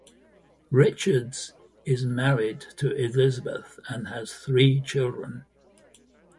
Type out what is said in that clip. Richards is married to Elizabeth and has three children.